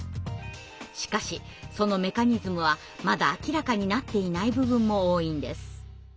しかしそのメカニズムはまだ明らかになっていない部分も多いんです。